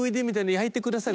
焼いてください。